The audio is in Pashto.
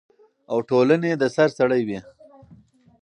او ټولنې د سر سړی وي،